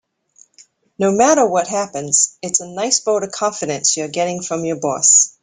No matter what happens, it's a nice vote of confidence you're getting from your boss.